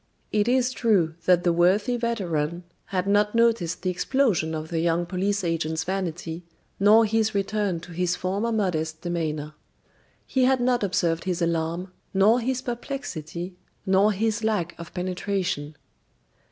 It is true that the worthy veteran had not noticed the explosion of the young police agent's vanity, nor his return to his former modest demeanor. He had not observed his alarm, nor his perplexity, nor his lack of penetration.